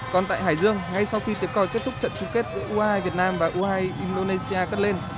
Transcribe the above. còn tại hải dương ngay sau khi tiết coi kết thúc trận chung kết giữa u hai mươi hai việt nam và u hai mươi hai indonesia cất lên